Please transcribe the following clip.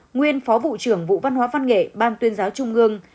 nguyên phó vụ trưởng vụ văn hóa văn nghệ ban tuyên giáo trung ương